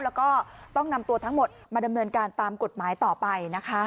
แล้วก็ต้องนำตัวทั้งหมดมาดำเนินการตามกฎหมายต่อไปนะคะ